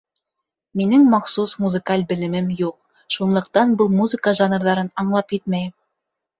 Минең махсус музыкаль белемем юҡ, шунлыҡтан был музыка жанрҙарын аңлап етмәйем.